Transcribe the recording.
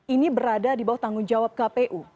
ini berada di bawah tanggung jawab kpu